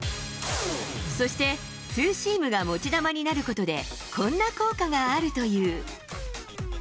そして、ツーシームが持ち球になることで、こんな効果があるという。